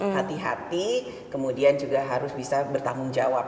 hati hati kemudian juga harus bisa bertanggung jawab